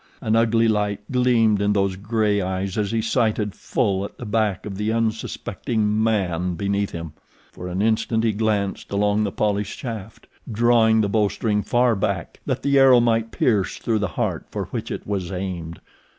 An ugly light gleamed in those gray eyes as he sighted full at the back of the unsuspecting man beneath him. For an instant he glanced along the polished shaft, drawing the bowstring far back, that the arrow might pierce through the heart for which it was aimed.